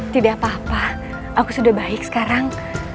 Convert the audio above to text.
tidak apa apa aku sudah baik sekarang